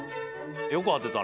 よく当てたね。